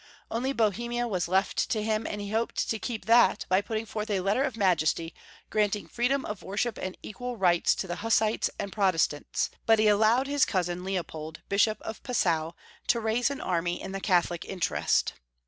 Only Bohemia was left to him, and he hoped to keep that by putting forth a Letter of Majesty granting freedom of worship and equal rights to the Hussites and Protestants, but he allowed liis cousin Leopold, Bishop of Passau, to raise an army in the Catholic interest.